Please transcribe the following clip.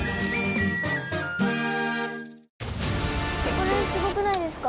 これすごくないですか？